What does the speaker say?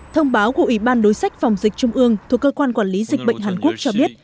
thông báo của ủy ban đối sách phòng dịch trung ương thuộc cơ quan quản lý dịch bệnh hàn quốc cho biết